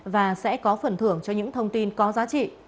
và sẽ có phần thưởng cho những thông tin có giá trị